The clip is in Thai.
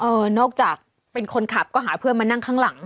นอกจากเป็นคนขับก็หาเพื่อนมานั่งข้างหลัง